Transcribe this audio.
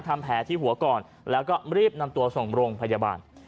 ทำแผลที่หัวก่อนแล้วก็รีบนำตัวส่งโรงพยาบาล